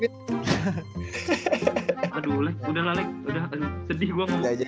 aduh udah lah sedih gue ngomongin ya